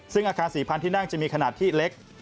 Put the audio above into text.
ซึ่งอาคาร๔๐๐ที่นั่งจะมีขนาดที่เล็ก